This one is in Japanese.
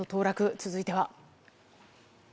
続いては。